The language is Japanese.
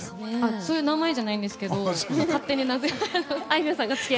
そういう名前じゃないんですけど勝手に名付けて。